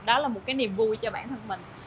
đó là một cái niềm vui cho bản thân mình